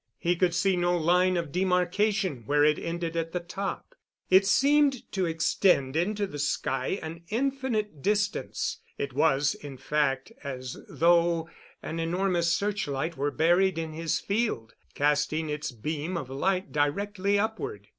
He could see no line of demarkation where it ended at the top. It seemed to extend into the sky an infinite distance. It was, in fact, as though an enormous searchlight were buried in his field, casting its beam of light directly upward.